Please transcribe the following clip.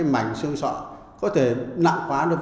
bằng công nghệ in ba d